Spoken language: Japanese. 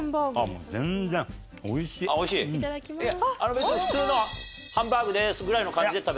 別に普通のハンバーグです！ぐらいの感じで食べられる？